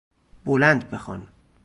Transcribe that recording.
بلند بخوان!